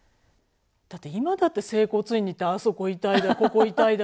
だって今だって整骨院に行ってあそこ痛いだ